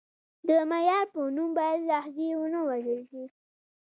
د معیار په نوم باید لهجې ونه وژل شي.